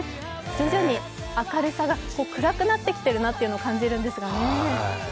徐々に明るさが、暗くなってきているなというのを感じるんですね。